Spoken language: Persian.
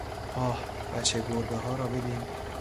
آه، بچه گربهها را ببین!